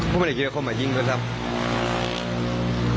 พ่อไม่ได้คิดว่าเขามายิงก็เลิก